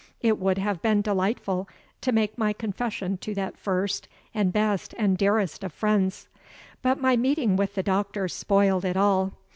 It would have been delightful to make my confession to that first and best and dearest of friends; but my meeting with the doctor spoiled it all.